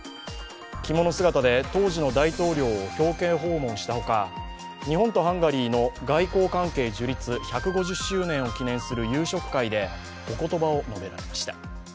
着物姿で当時の大統領を表敬訪問したほか日本とハンガリーの外交関係樹立１５０周年を記念する夕食会でお言葉を述べられました。